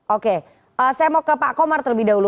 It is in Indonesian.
oke saya mau ke pak komar terlebih dahulu